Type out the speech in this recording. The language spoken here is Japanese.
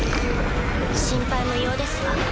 心配無用ですわ。